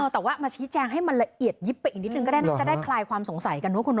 แต่ว่ามาชี้แจ้งให้มันละเอียดยิบไปอีกนิดนึงก็ได้ครายความสงสัยกัน